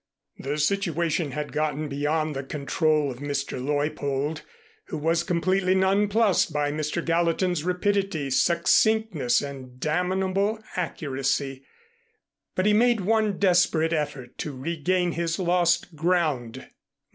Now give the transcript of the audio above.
The situation had gotten beyond the control of Mr. Leuppold, who was completely nonplused by Mr. Gallatin's rapidity, succinctness and damnable accuracy; but he made one desperate effort to regain his lost ground.